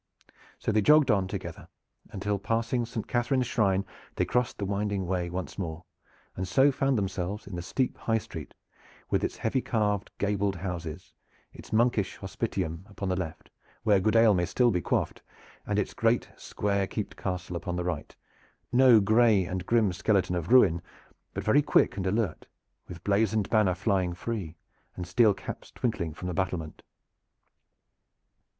So they jogged on together until passing Saint Catherine's shrine they crossed the winding Wey once more, and so found themselves in the steep high street with its heavy caved gabled houses, its monkish hospitium upon the left, where good ale may still be quaffed, and its great square keeped castle upon the right, no gray and grim skeleton of ruin, but very quick and alert, with blazoned banner flying free, and steel caps twinkling from the battlement.